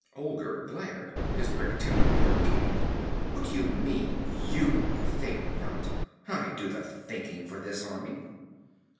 Olgerd glared, his quick temper irritated. 'What do you mean, you think not? I do the thinking for this army!'